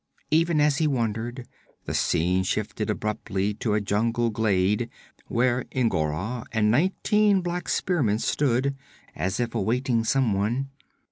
Even as he wondered, the scene shifted abruptly to a jungle glade where N'Gora and nineteen black spearmen stood, as if awaiting someone.